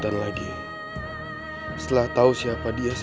jangan menerjakan kaki kamu lagi disini